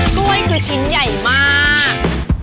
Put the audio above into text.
กล้วยคือชิ้นใหญ่มาก